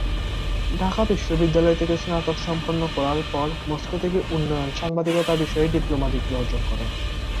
ঢাকা বিশ্বদ্যিালয় থেকে স্নাতক সম্পন্ন করার পর মস্কো থেকে উন্নয়ন সাংবাদিকতা বিষয়ে ডিপ্লোমা ডিগ্রি অর্জন করেন।